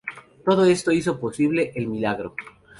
Todo esto hizo posible el "milagro".